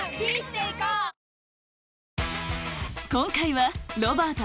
今回は「ロバート」